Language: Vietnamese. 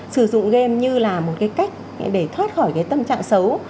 sử dụng game như là một cái cách để thoát khỏi cái tâm trạng xấu